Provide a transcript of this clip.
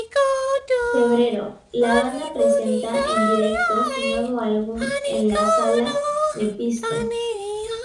Febrero, la banda presenta en directo su nuevo álbum en la sala Mephisto.